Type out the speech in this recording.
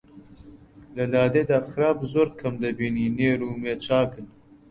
لە لادێدا خراب زۆر کەم دەبینی نێر و مێ چاکن